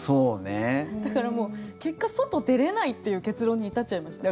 だから結果、外出れないっていう結論に至っちゃいました。